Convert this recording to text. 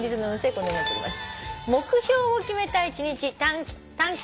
このようになっております。